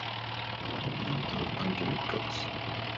El editor es Anthony Cox.